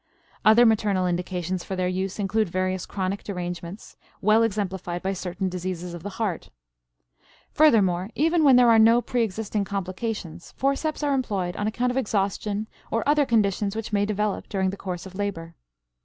Other maternal indications for their use include various chronic derangements, well exemplified by certain diseases of the heart. Furthermore, even when there are no preexisting complications forceps are employed on account of exhaustion or other conditions which may develop during the course of labor.